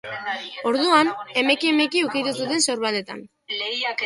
Orduan, emeki-emeki ukitu zuten sorbaldetan.